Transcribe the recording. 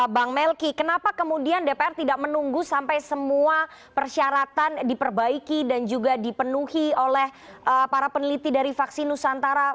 bang melki kenapa kemudian dpr tidak menunggu sampai semua persyaratan diperbaiki dan juga dipenuhi oleh para peneliti dari vaksin nusantara